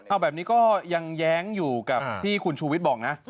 เอาแบบนี้ก็ยังแย้งอยู่กับที่คุณชูวิทย์บอกนะ